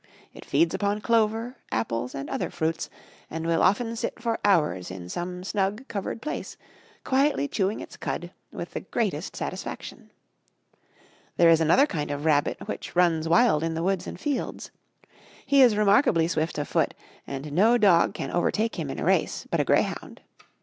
It feeds upon clover, apples, and other fruits, and will often sit for hours in some snug covered place, quietly chewing its cud, with the greatest satisfaction. There is another kind of rabbit, which runs wild in the woods and fields. He is remarkably swift of foot, and no dog can overtake him in a race, but a grey hound.